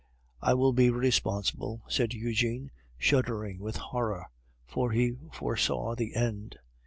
"I will be responsible," said Eugene, shuddering with horror, for he foresaw the end.